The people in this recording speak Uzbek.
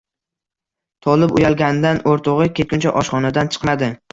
Tolib uyalganidan o‘rtog‘i ketguncha oshxonadan chiqmadi